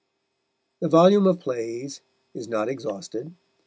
The volume of plays is not exhausted.